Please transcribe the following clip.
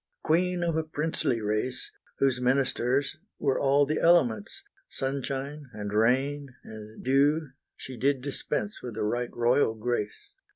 Queen of a princely race, Whose ministers were all the elements; Sunshine, and rain, and dew she did dispense With a right royal grace.